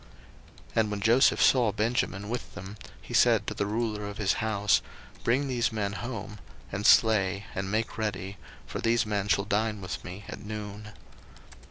01:043:016 And when Joseph saw Benjamin with them, he said to the ruler of his house, Bring these men home, and slay, and make ready; for these men shall dine with me at noon.